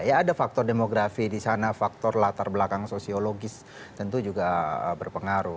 ya ada faktor demografi di sana faktor latar belakang sosiologis tentu juga berpengaruh